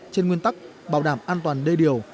trên nguyên tắc bảo đảm an toàn đê điều